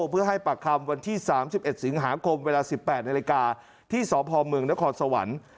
เพื่อให้ปากคำวันที่๓๑สิงหาคมเวลา๑๘นาฬิกาที่สพเมืองนครสวรรค์